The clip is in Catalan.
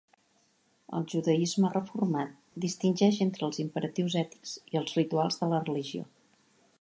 El judaisme reformat distingeix entre els imperatius ètics i els rituals de la religió.